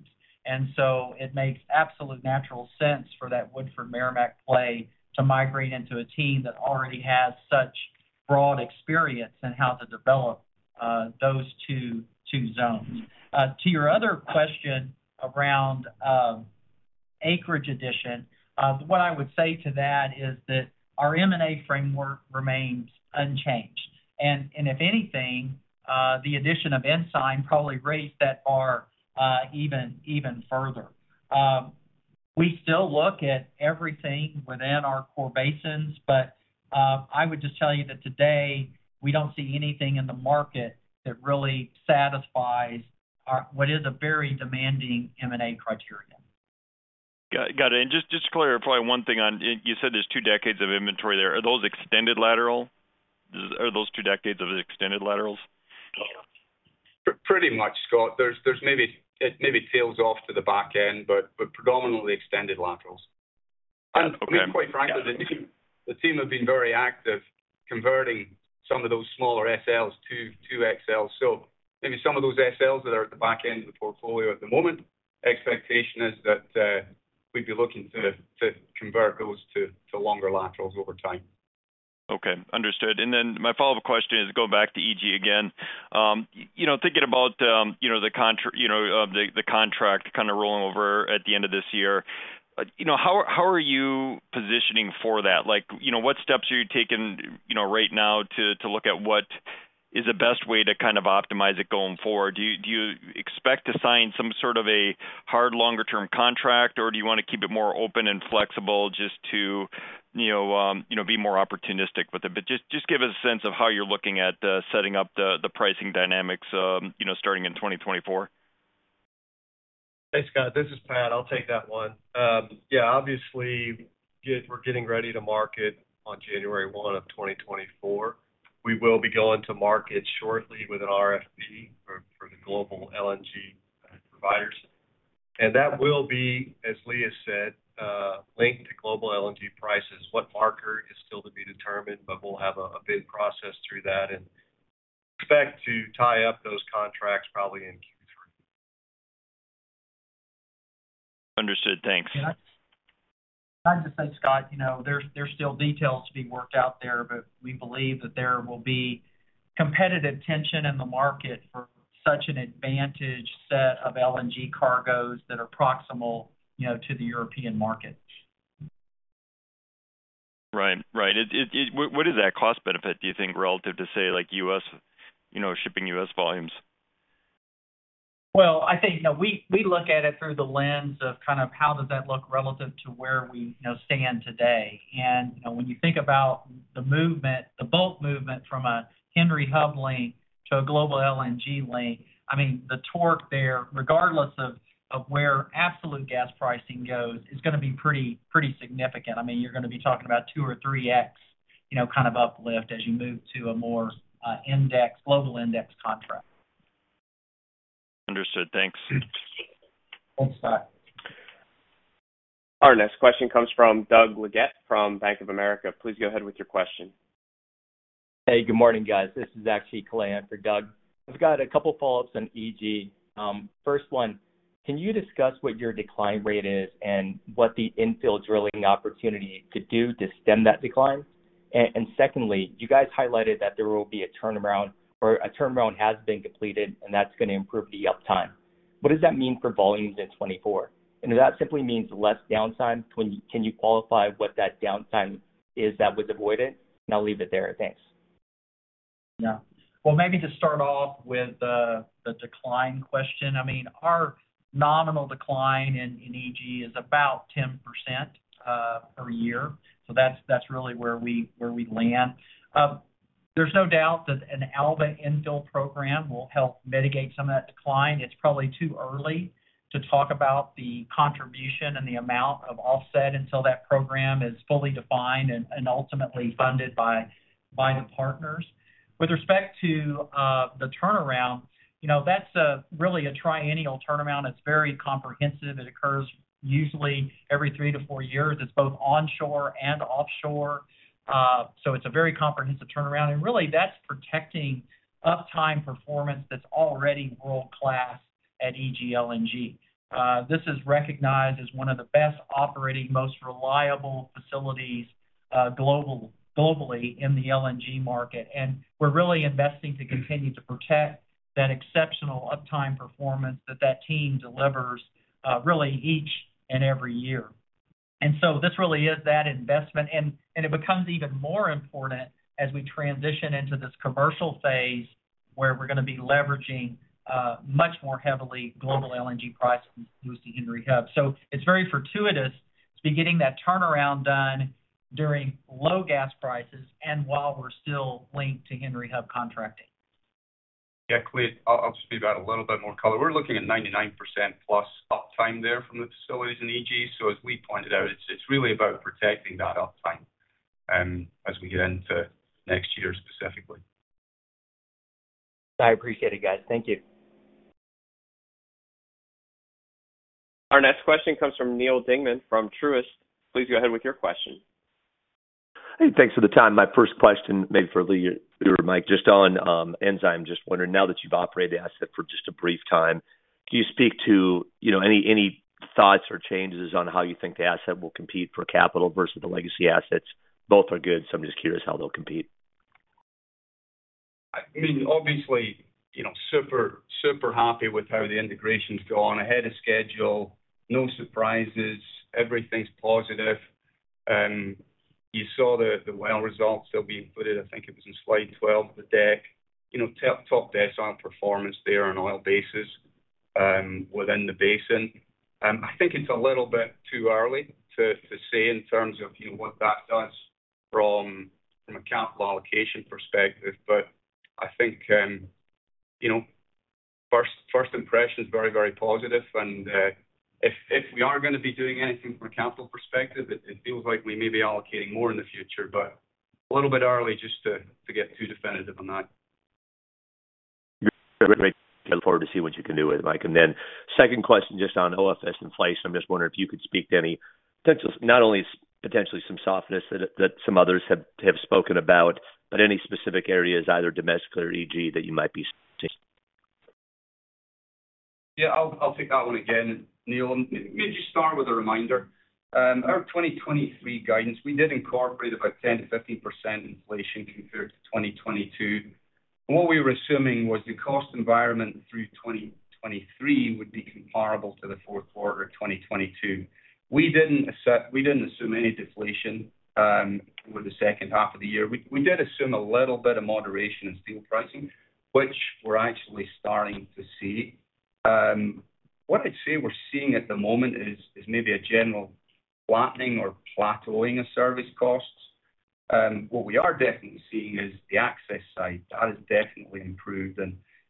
So it makes absolute natural sense for that Woodford Meramec play to migrate into a team that already has such broad experience in how to develop those two zones. To your other question around acreage addition, what I would say to that is that our M&A framework remains unchanged. If anything, the addition of Ensign probably raised that bar even further. We still look at everything within our core basins. I would just tell you that today, we don't see anything in the market that really satisfies what is a very demanding M&A criteria. Got it. Just to clarify one thing on, you said there's two decades of inventory there. Are those extended lateral? Are those two decades of extended laterals? Pretty much, Scott. There's it maybe tails off to the back end, but predominantly extended laterals. I mean, quite frankly, the team have been very active converting some of those smaller SLs to XL. Maybe some of those SLs that are at the back end of the portfolio at the moment, expectation is that we'd be looking to convert those to longer laterals over time. Okay. Understood. My follow-up question is going back to EG again. You know, thinking about, you know, of the contract kind of rolling over at the end of this year, you know, how are you positioning for that? Like, you know, what steps are you taking, you know, right now to look at what is the best way to kind of optimize it going forward? Do you expect to sign some sort of a hard longer-term contract, or do you want to keep it more open and flexible just to, you know, you know, be more opportunistic with it? Just give us a sense of how you're looking at setting up the pricing dynamics, you know, starting in 2024. Hey, Scott, this is Pat. I'll take that one. Yeah, obviously we're getting ready to market on January 1, 2024. We will be going to market shortly with an RFP for the global LNG providers. That will be, as Lee has said, linked to global LNG prices. What marker is still to be determined, but we'll have a bid process through that and expect to tie up those contracts probably in Q3. Understood. Thanks. I have to say, Scott, you know, there's still details to be worked out there, but we believe that there will be competitive tension in the market for such an advantaged set of LNG cargoes that are proximal, you know, to the European market. Right. Right. It what is that cost benefit, do you think, relative to, say, like, U.S., you know, shipping U.S. volumes? Well, I think, you know, we look at it through the lens of kind of how does that look relative to where we, you know, stand today. You know, when you think about the movement, the bulk movement from a Henry Hub link to a global LNG link, I mean, the torque there, regardless of where absolute gas pricing goes, is gonna be pretty significant. I mean, you're gonna be talking about 2 or 3x, you know, kind of uplift as you move to a more index, global index contract. Understood. Thanks. Thanks, Scott. Our next question comes from Doug Leggate from Bank of America. Please go ahead with your question. Hey, good morning, guys. This is actually Clayton Horowitz for Doug. I've got a couple follow-ups on EG. First one, can you discuss what your decline rate is and what the infill drilling opportunity could do to stem that decline? And secondly, you guys highlighted that there will be a turnaround or a turnaround has been completed, and that's gonna improve the uptime. What does that mean for volumes in 24? If that simply means less downtime, can you qualify what that downtime is that was avoided? I'll leave it there. Thanks. Yeah. Well, maybe to start off with the decline question. I mean, our nominal decline in EG is about 10% per year. That's really where we land. There's no doubt that an Alba infill program will help mitigate some of that decline. It's probably too early to talk about the contribution and the amount of offset until that program is fully defined and ultimately funded by the partners. With respect to the turnaround, you know, that's a really a triennial turnaround. It's very comprehensive. It occurs usually every 3 to 4 years. It's both onshore and offshore, it's a very comprehensive turnaround. Really that's protecting uptime performance that's already world-class at EG LNG. This is recognized as one of the best operating, most reliable facilities, globally in the LNG market, and we're really investing to continue to protect that exceptional uptime performance that that team delivers, really each and every year. This really is that investment, and it becomes even more important as we transition into this commercial phase where we're gonna be leveraging, much more heavily global LNG prices as opposed to Henry Hub. It's very fortuitous to be getting that turnaround done during low gas prices and while we're still linked to Henry Hub contracting. Yeah. Clay, I'll just give that a little bit more color. We're looking at 99% plus uptime there from the facilities in EG. As we pointed out, it's really about protecting that uptime, as we get into next year specifically. I appreciate it, guys. Thank you. Our next question comes from Neal Dingman from Truist. Please go ahead with your question. Hey, thanks for the time. My first question, maybe for Lee or Mike, just on Ensign. Just wondering now that you've operated the asset for just a brief time, can you speak to, you know, any thoughts or changes on how you think the asset will compete for capital versus the legacy assets? Both are good, so I'm just curious how they'll compete. I mean, obviously, you know, super happy with how the integration's gone. Ahead of schedule, no surprises, everything's positive. You saw the well results that we included, I think it was in slide 12 of the deck. You know, top decile performance there on an oil basis within the basin. I think it's a little bit too early to say in terms of, you know, what that does from a capital allocation perspective. I think, you know, first impression is very, very positive and if we are gonna be doing anything from a capital perspective, it feels like we may be allocating more in the future, but a little bit early just to get too definitive on that. Great. Look forward to see what you can do with it, Mike. Second question, just on OFS inflation. I'm just wondering if you could speak to any potentials, not only potentially some softness that some others have spoken about, but any specific areas, either domestic or EG, that you might be seeing. Yeah, I'll take that one again, Neal. Maybe just start with a reminder. Our 2023 guidance, we did incorporate about 10%-15% inflation compared to 2022. What we were assuming was the cost environment through 2023 would be comparable to the fourth quarter of 2022. We didn't assume any deflation with the second half of the year. We did assume a little bit of moderation in steel pricing, which we're actually starting to see. What I'd say we're seeing at the moment is maybe a general flattening or plateauing of service costs. What we are definitely seeing is the access site. That has definitely improved.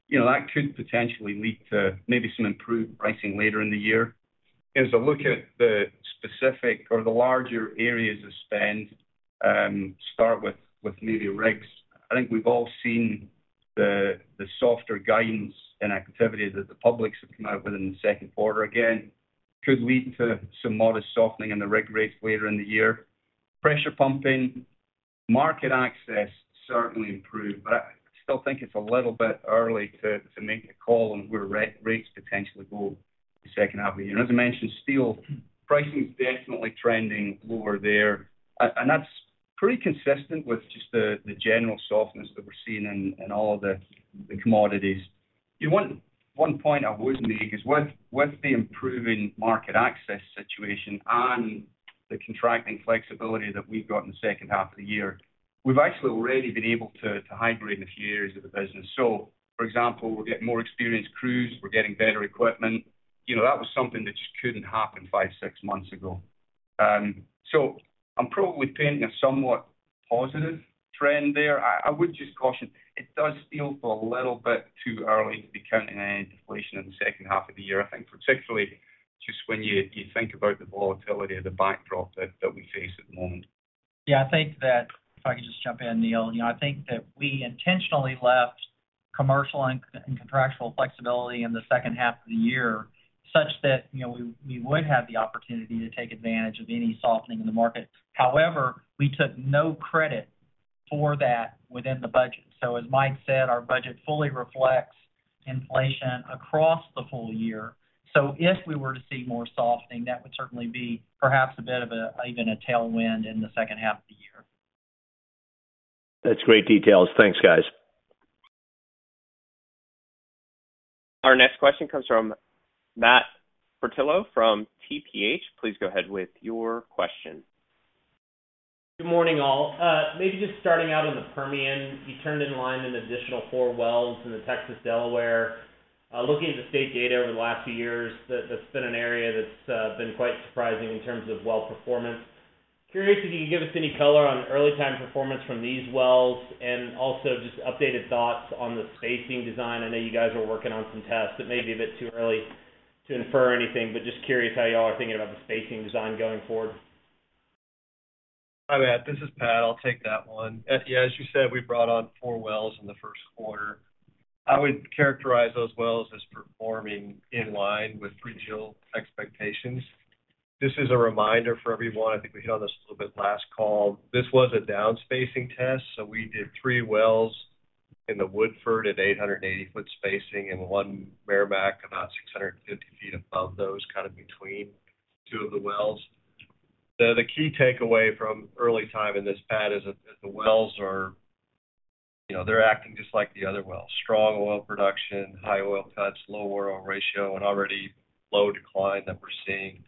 You know, that could potentially lead to maybe some improved pricing later in the year. As I look at the specific or the larger areas of spend, start with maybe rigs. I think we've all seen the softer guidance and activities that the publics have come out with in the second quarter again, could lead to some modest softening in the rig rates later in the year. Pressure pumping, market access certainly improved, but I still think it's a little bit early to make a call on where rates potentially go the second half of the year. As I mentioned, steel pricing is definitely trending lower there. And that's pretty consistent with just the general softness that we're seeing in all of the commodities. The one point I would make is with the improving market access situation and the contracting flexibility that we've got in the second half of the year, we've actually already been able to hybrid in a few areas of the business. For example, we're getting more experienced crews, we're getting better equipment. You know, that was something that just couldn't happen 5, 6 months ago. I'm probably painting a somewhat positive trend there. I would just caution it does feel a little bit too early to be counting any deflation in the second half of the year. I think particularly just when you think about the volatility of the backdrop that we face at the moment. Yeah, I think that... If I could just jump in, Neal. You know, I think that we intentionally left commercial and contractual flexibility in the second half of the year such that, you know, we would have the opportunity to take advantage of any softening in the market. However, we took no credit for that within the budget. As Mike said, our budget fully reflects inflation across the full year. If we were to see more softening, that would certainly be perhaps a bit of a, even a tailwind in the second half of the year. That's great details. Thanks, guys. Our next question comes from Matthew Portillo from TPH&Co.. Please go ahead with your question. Good morning, all. Maybe just starting out on the Permian, you turned in line an additional four wells in the Texas Delaware. Looking at the state data over the last few years, that's been an area that's been quite surprising in terms of well performance. Curious if you could give us any color on early time performance from these wells and also just updated thoughts on the spacing design. I know you guys are working on some tests. It may be a bit too early to infer anything, but just curious how you all are thinking about the spacing design going forward. Hi, Matt. This is Pat. I'll take that one. Yeah, as you said, we brought on four wells in the first quarter. I would characterize those wells as performing in line with regional expectations. This is a reminder for everyone. I think we hit on this a little bit last call. This was a down spacing test. We did three wells in the Woodford at 880 ft spacing and 1 Meramec about 650 ft above those, kind of between two of the wells. The key takeaway from early time in this pad is that the wells are, you know, they're acting just like the other wells. Strong oil production, high oil cuts, low oil ratio and already low decline that we're seeing.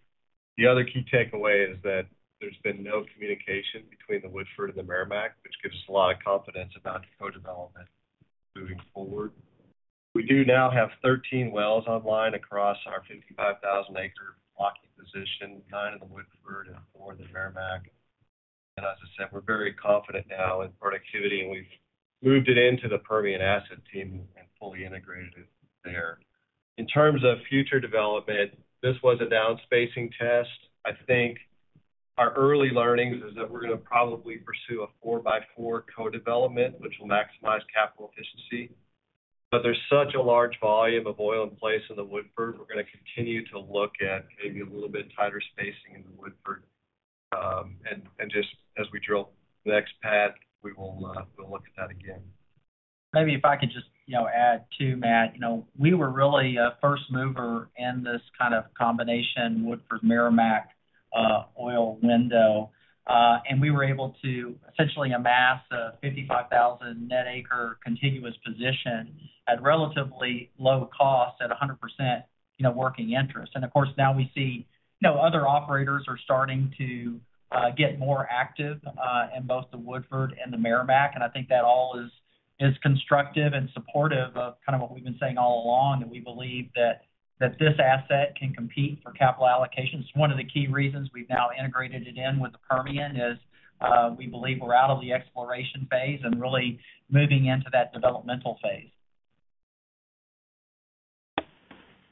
The other key takeaway is that there's been no communication between the Woodford and the Meramec, which gives us a lot of confidence about the co-development moving forward. We do now have 13 wells online across our 55,000 acre blocking position, nine in the Woodford and four in the Meramec. As I said, we're very confident now in productivity, and we've moved it into the Permian asset team and fully integrated it there. In terms of future development, this was a down spacing test. I think our early learnings is that we're gonna probably pursue a 4-by-4 co-development, which will maximize capital efficiency. There's such a large volume of oil in place in the Woodford, we're gonna continue to look at maybe a little bit tighter spacing in the Woodford. Just as we drill the next pad, we will, we'll look at that again. Maybe if I could just, you know, add too, Matt. You know, we were really a first mover in this kind of combination Woodford Meramec oil window. We were able to essentially amass a 55,000 net acre continuous position at relatively low cost at a 100%, you know, working interest. Of course, now we see, you know, other operators are starting to get more active in both the Woodford and the Meramec. I think that all is constructive and supportive of kind of what we've been saying all along, that we believe that this asset can compete for capital allocation. It's one of the key reasons we've now integrated it in with the Permian is, we believe we're out of the exploration phase and really moving into that developmental phase.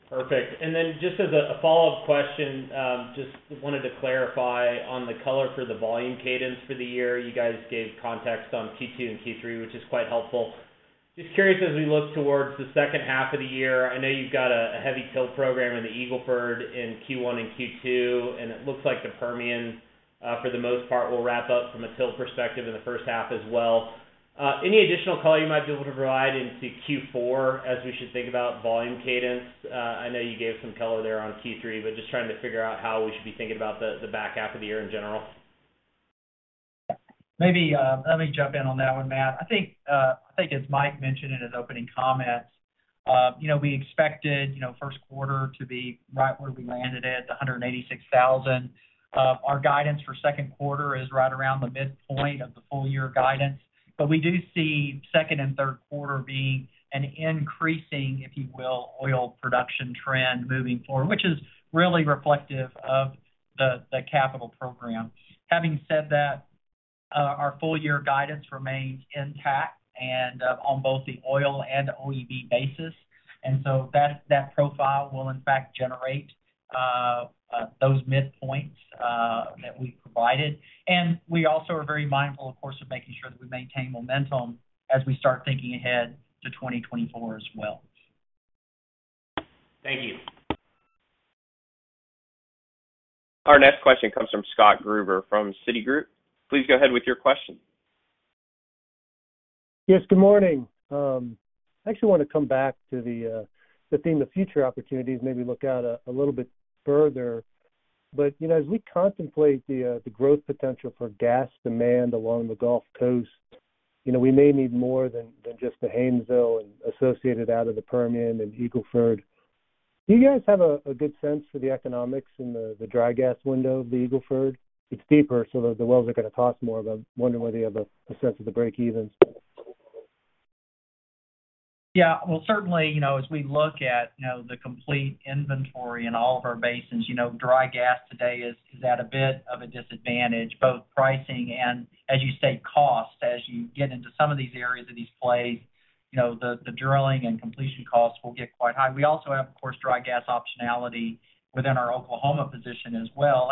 Perfect. Just as a follow-up question, just wanted to clarify on the color for the volume cadence for the year. You guys gave context on Q2 and Q3, which is quite helpful. Just curious as we look towards the second half of the year, I know you've got a heavy TIL program in the Eagle Ford in Q1 and Q2, and it looks like the Permian, for the most part, will wrap up from a till perspective in the first half as well. Any additional color you might be able to provide into Q4 as we should think about volume cadence? I know you gave some color there on Q3, but just trying to figure out how we should be thinking about the back half of the year in general. Maybe, let me jump in on that one, Matt. I think, I think as Mike mentioned in his opening comments, you know, we expected, you know, first quarter to be right where we landed at, the 186,000. Our guidance for second quarter is right around the midpoint of the full year guidance. We do see second and third quarter being an increasing, if you will, oil production trend moving forward, which is really reflective of the capital program. Having said that, our full year guidance remains intact and on both the oil and OEB basis. That, that profile will in fact generate those midpoints that we provided. We also are very mindful, of course, of making sure that we maintain momentum as we start thinking ahead to 2024 as well. Thank you. Our next question comes from Scott Gruber from Citigroup. Please go ahead with your question. Yes, good morning. I actually wanna come back to the theme of future opportunities, maybe look out a little bit further. You know, as we contemplate the growth potential for gas demand along the Gulf Coast, you know, we may need more than just the Haynesville and associated out of the Permian and Eagle Ford. Do you guys have a good sense for the economics in the dry gas window of the Eagle Ford? It's deeper, so the wells are gonna cost more, but I'm wondering whether you have a sense of the breakevens. Yeah. Well, certainly, you know, as we look at, you know, the complete inventory in all of our basins, you know, dry gas today is at a bit of a disadvantage, both pricing and, as you say, cost. As you get into some of these areas of these plays, you know, the drilling and completion costs will get quite high. We also have, of course, dry gas optionality within our Oklahoma position as well.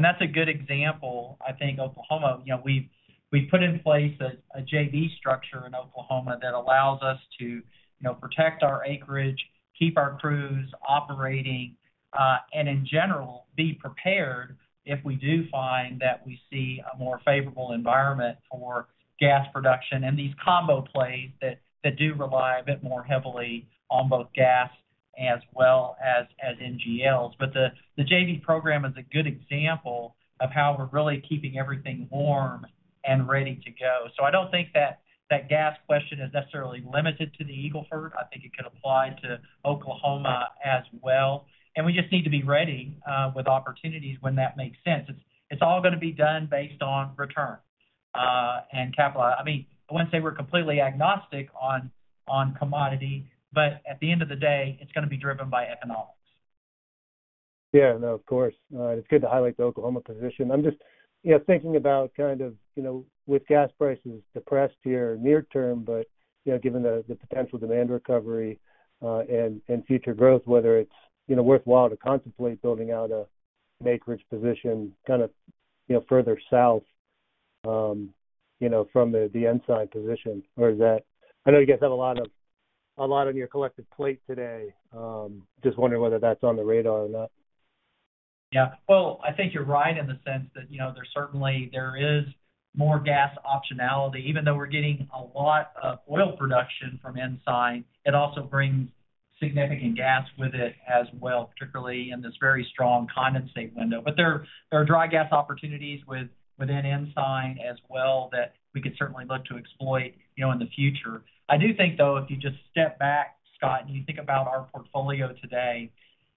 That's a good example. I think Oklahoma, you know, we've put in place a JV structure in Oklahoma that allows us to, you know, protect our acreage, keep our crews operating, and in general, be prepared if we do find that we see a more favorable environment for gas production in these combo plays that do rely a bit more heavily on both gas as well as NGLs. The JV program is a good example of how we're really keeping everything warm and ready to go. I don't think that gas question is necessarily limited to the Eagle Ford. I think it could apply to Oklahoma as well. We just need to be ready with opportunities when that makes sense. It's all gonna be done based on return and capital. I mean, I wouldn't say we're completely agnostic on commodity, but at the end of the day, it's gonna be driven by economics. Yeah, no, of course. It's good to highlight the Oklahoma position. I'm just, you know, thinking about kind of, you know, with gas prices depressed here near term, but, you know, given the potential demand recovery and future growth, whether it's, you know, worthwhile to contemplate building out a acreage position kind of, you know, further south, you know, from the inside position. Or is that, I know you guys have a lot on your collective plate today, just wondering whether that's on the radar or not? Yeah. Well, I think you're right in the sense that, you know, there's certainly, there is more gas optionality. Even though we're getting a lot of oil production from Ensign, it also brings significant gas with it as well, particularly in this very strong condensate window. There are dry gas opportunities within Ensign as well that we could certainly look to exploit, you know, in the future. I do think, though, if you just step back, Scott, and you think about our portfolio today,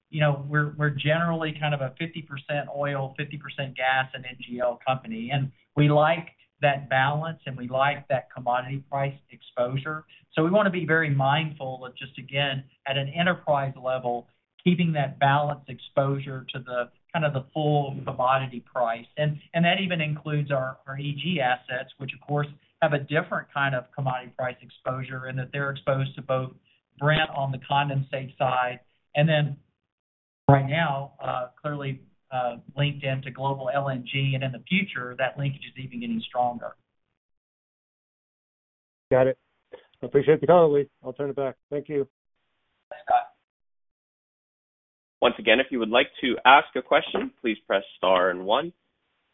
you know, we're generally kind of a 50% oil, 50% gas and NGL company, and we like that balance, and we like that commodity price exposure. We wanna be very mindful of just, again, at an enterprise level, keeping that balanced exposure to the kind of the full commodity price. That even includes our EG assets, which of course have a different kind of commodity price exposure in that they're exposed to both Brent on the condensate side and then right now, clearly, linked into global LNG, and in the future, that linkage is even getting stronger. Got it. I appreciate the color, Lee. I'll turn it back. Thank you. Thanks, Scott. Once again, if you would like to ask a question, please press star and one.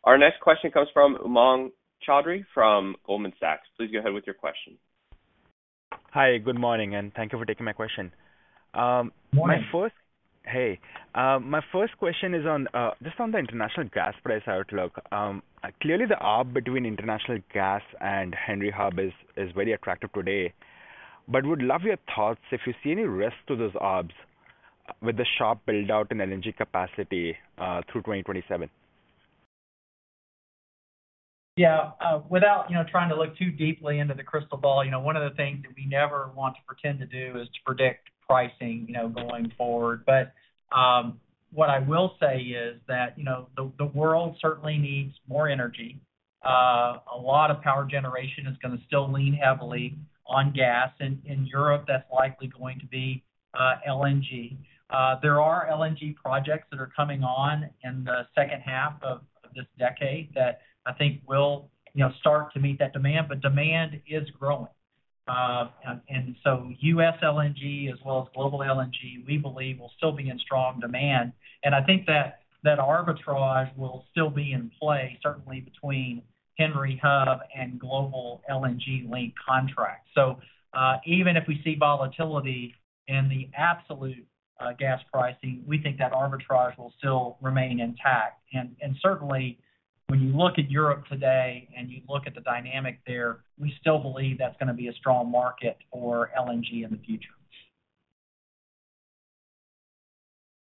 Our next question comes from Umang Choudhary from Goldman Sachs. Please go ahead with your question. Hi, good morning, thank you for taking my question. Morning. Hey. My first question is on just on the international gas price outlook. Clearly, the arb between international gas and Henry Hub is very attractive today, would love your thoughts if you see any risk to those arbs with the sharp build-out in LNG capacity through 2027. Without, you know, trying to look too deeply into the crystal ball, you know, one of the things that we never want to pretend to do is to predict pricing, you know, going forward. What I will say is that, you know, the world certainly needs more energy. A lot of power generation is gonna still lean heavily on gas. In Europe, that's likely going to be LNG. There are LNG projects that are coming on in the second half of this decade that I think will, you know, start to meet that demand, but demand is growing. US LNG as well as global LNG, we believe, will still be in strong demand. I think that that arbitrage will still be in play, certainly between Henry Hub and global LNG-linked contracts. Even if we see volatility in the absolute gas pricing, we think that arbitrage will still remain intact. Certainly when you look at Europe today and you look at the dynamic there, we still believe that's gonna be a strong market for LNG in the future.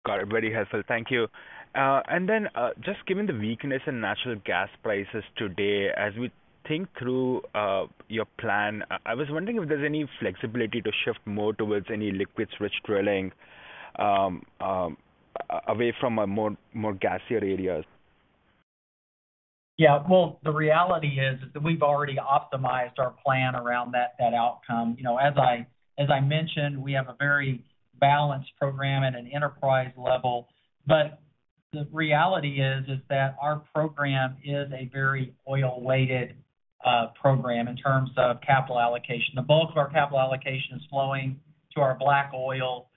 Got it. Very helpful. Thank you. Just given the weakness in natural gas prices today, as we think through, your plan, I was wondering if there's any flexibility to shift more towards any liquids-rich drilling, away from a more gassier areas. Yeah. Well, the reality is that we've already optimized our plan around that outcome. You know, as I mentioned, we have a very balanced program at an enterprise level. The reality is that our program is a very oil-weighted program in terms of capital allocation. The bulk of our capital allocation is flowing to our black oil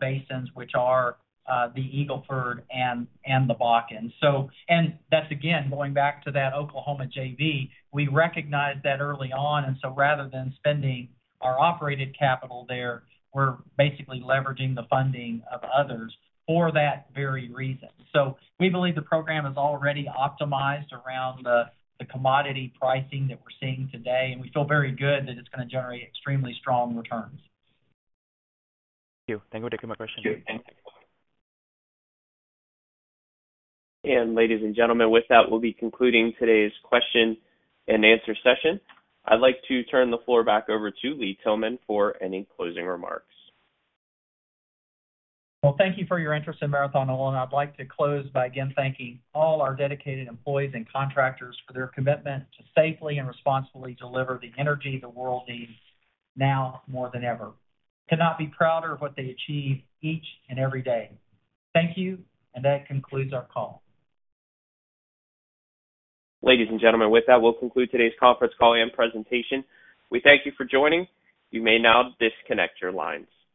basins, which are the Eagle Ford and the Bakken. That's, again, going back to that Oklahoma JV. We recognized that early on, and so rather than spending our operated capital there, we're basically leveraging the funding of others for that very reason. We believe the program is already optimized around the commodity pricing that we're seeing today, and we feel very good that it's gonna generate extremely strong returns. Thank you. Thank you. Thank you for my question. Sure. Thank you. Ladies and gentlemen, with that, we'll be concluding today's question-and-answer session. I'd like to turn the floor back over to Lee Tillman for any closing remarks. Well, thank you for your interest in Marathon Oil. I'd like to close by again thanking all our dedicated employees and contractors for their commitment to safely and responsibly deliver the energy the world needs now more than ever. Could not be prouder of what they achieve each and every day. Thank you. That concludes our call. Ladies and gentlemen, with that, we'll conclude today's conference call and presentation. We thank you for joining. You may now disconnect your lines.